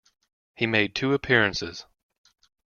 He made two appearances.